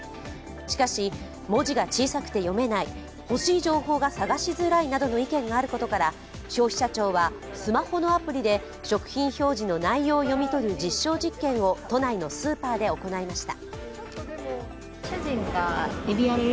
しかし、文字が小さくて読めない欲しい情報が探しづらいとの意見があることなどから消費者庁はスマホのアプリで食品表示の内容を読み取る実証実験を都内のスーパーで行いました。